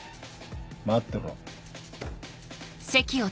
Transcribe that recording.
待ってろ。